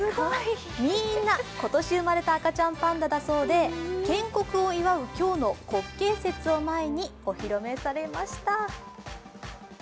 みんな今年生まれた赤ちゃんパンダだそうで建国を祝う今日の国慶節を前にお披露目されました。